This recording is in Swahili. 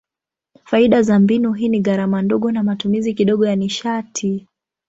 Faida za mbinu hii ni gharama ndogo na matumizi kidogo ya nishati.